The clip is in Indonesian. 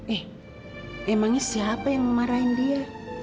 eh emangnya siapa yang memarahin dia